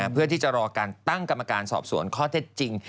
เพื่อที่จะรอการตั้งกรรมการสอบสวนข้อเท็จจริง